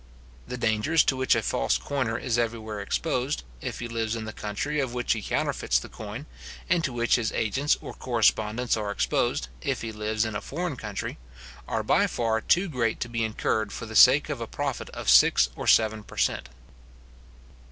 The dangers to which a false coiner is everywhere exposed, if he lives in the country of which he counterfeits the coin, and to which his agents or correspondents are exposed, if he lives in a foreign country, are by far too great to be incurred for the sake of a profit of six or seven per cent.